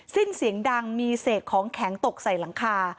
สิ้นเสียงดังมีเศษของแข็งตกใส่หลังคา